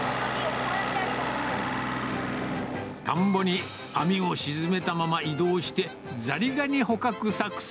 田んぼに網を沈めたまま移動して、ザリガニ捕獲作戦。